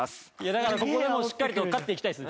だからここでもうしっかりと勝っていきたいっす。